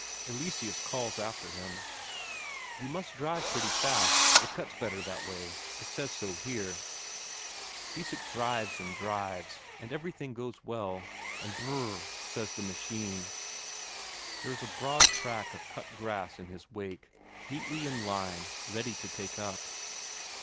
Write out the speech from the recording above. Eleseus calls after him: "You must drive pretty fast, it cuts better that way it says so here." Isak drives and drives, and everything goes well, and Brrr! says the machine. There is a broad track of cut grass in his wake, neatly in line, ready to take up.